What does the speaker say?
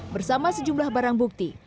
bersama sejumlah barang bukti